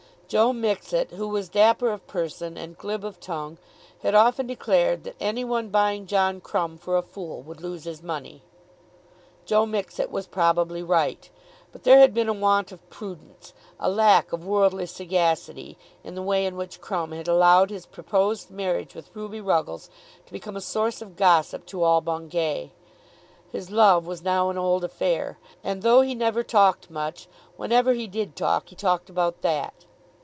Joe Mixet, who was dapper of person and glib of tongue, had often declared that any one buying John Crumb for a fool would lose his money. Joe Mixet was probably right; but there had been a want of prudence, a lack of worldly sagacity, in the way in which Crumb had allowed his proposed marriage with Ruby Ruggles to become a source of gossip to all Bungay. His love was now an old affair; and, though he never talked much, whenever he did talk, he talked about that.